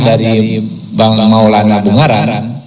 dari bang maulana bungaran